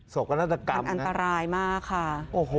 สกนตรกรรมอันตรายมากค่ะ